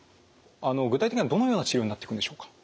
具体的にはどのような治療になってくんでしょうか。